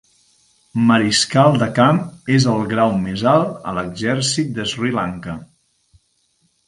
Mariscal de camp és el grau més alt a l'exèrcit de Sri Lanka.